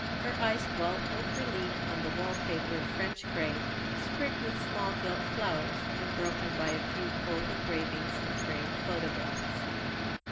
Her eyes dwelt with relief on the wall paper of French grey, sprigged with small gilt flowers, and broken by a few cold engravings and framed photographs.